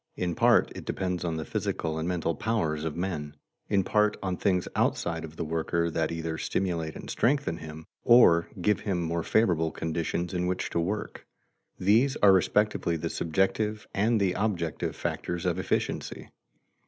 In part it depends on the physical and mental powers of men; in part on things outside of the worker that either stimulate and strengthen him, or give him more favorable conditions in which to work. These are respectively the subjective and the objective factors of efficiency.